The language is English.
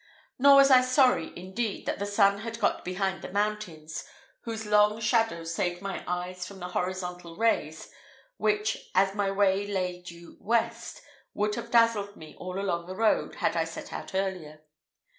Nor was I sorry, indeed, that the sun had got behind the mountains, whose long shadows saved my eyes from the horizontal rays, which, as my way lay due west, would have dazzled me all along the road had I set out earlier.